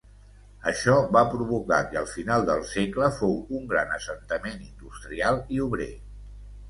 Això va provocar que al final del segle fou un gran assentament industrial i obrer.